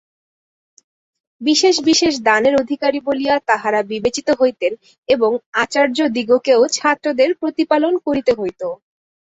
বিশেষ বিশেষ দানের অধিকারী বলিয়া তাঁহারা বিবেচিত হইতেন এবং আচার্যদিগকেও ছাত্রদের প্রতিপালন করিতে হইত।